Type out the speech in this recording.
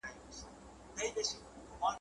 ستا هجران هم دایمي سو.